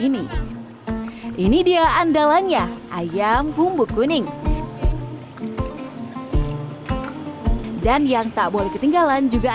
sudah dihitung sama dokter gizi juga